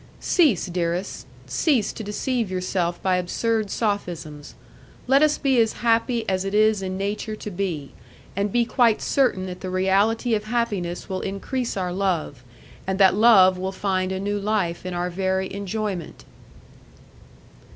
Cease, dearest, cease to deceive yourself by absurd sophisms. Let us be as happy as it is in nature to be, and be quite certain that the reality of happiness will increase our love, and that love will find a new life in our very enjoyment."